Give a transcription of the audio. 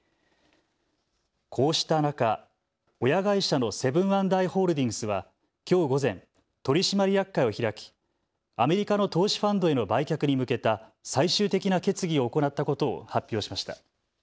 こうした中、親会社のセブン＆アイ・ホールディングスはきょう午前、取締役会を開きアメリカの投資ファンドへの売却に向けた最終的な決議を行ったことを発表しました。